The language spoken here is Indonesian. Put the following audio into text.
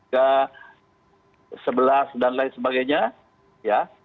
sepuluh ke sebelas dan lain sebagainya